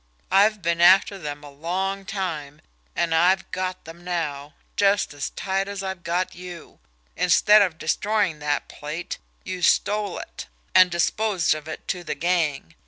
I've been after them a long time, and I've got them now, just as tight as I've got you. Instead of destroying that plate, you stole it, and disposed of it to the gang.